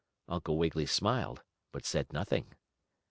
Uncle Wiggily smiled, but said nothing.